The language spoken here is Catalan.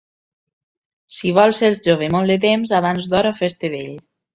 Si vols ser jove molt de temps, abans d'hora fes-te vell.